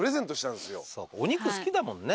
お肉好きだもんね